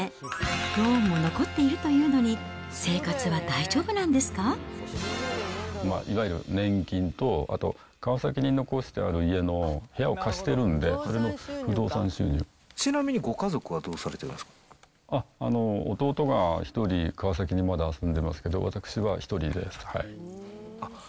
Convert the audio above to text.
ローンも残っているというのに、いわゆる年金と、あと川崎に残してある家の部屋を貸してるんで、それの不動産収入ちなみにご家族はどうされてあっ、弟が１人、川崎にまだ住んでますけど、私は１人です。